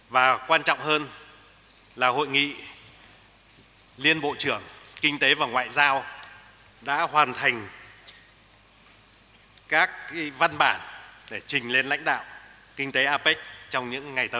và quan trọng hơn là hội nghị liên bộ trưởng kinh tế và ngoại giao đã hoàn thành các văn bản để trình lên lãnh đạo kinh tế apec trong những ngày tới